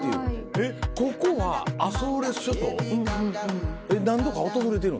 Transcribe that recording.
えっここはアソーレス諸島何度か訪れてるの？